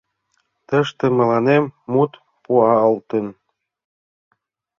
Тыште мыланем мут пуалтын.